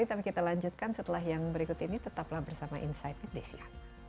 tapi kita lanjutkan setelah yang berikut ini tetaplah bersama insight with desi anwar